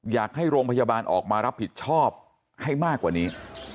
อยากให้โรงพยาบาลออกมารับผิดชอบให้มากกว่านี้